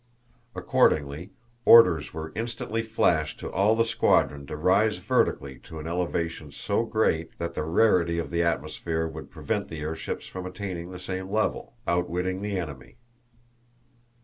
Accordingly, orders were instantly flashed to all the squadron to rise vertically to an elevation so great that the rarity of the atmosphere would prevent the airships from attaining the same level. Outwitting the Enemy.